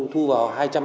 thu vào hai trăm linh